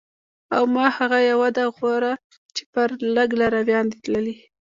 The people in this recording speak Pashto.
او ما هغه یوه ده غوره چې پرې لږ لارویان دي تللي